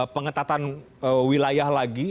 pengetatan wilayah lagi